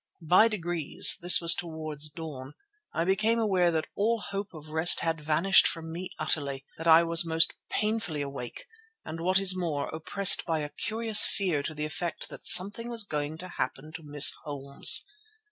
By degrees, this was towards dawn, I became aware that all hope of rest had vanished from me utterly; that I was most painfully awake, and what is more, oppressed by a curious fear to the effect that something was going to happen to Miss Holmes.